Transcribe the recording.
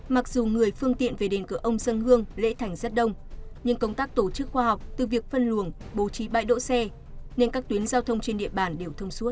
mặc dù người phương tiện về đền cửa ông sơn hương lễ thành rất đông nhưng công tác tổ chức khoa học từ việc phân luồng bố trí bãi đỗ xe nên các tuyến giao thông trên địa bàn đều thông suốt